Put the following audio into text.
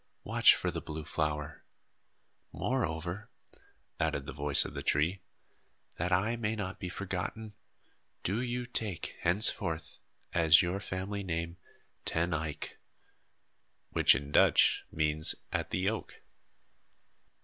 Watch for the blue flower. Moreover," added the voice of the tree, "that I may not be forgotten, do you take, henceforth, as your family name Ten Eyck" (which, in Dutch, means "at the oak